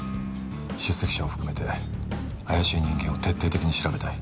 出席者を含めて怪しい人間を徹底的に調べたい